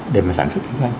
để mà sản xuất doanh doanh